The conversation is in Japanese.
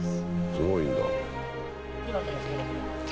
すごいんだ。